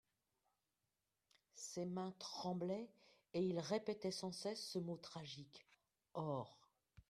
Ses mains tremblaient et il répétait sans cesse ce mot tragique: OR.